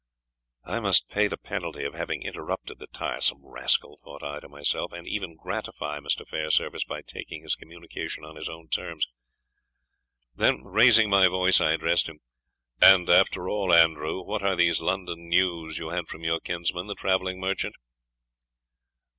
"I must pay the penalty of having interrupted the tiresome rascal," thought I to myself, "and even gratify Mr. Fairservice by taking his communication on his own terms." Then raising my voice, I addressed him, "And after all, Andrew, what are these London news you had from your kinsman, the travelling merchant?"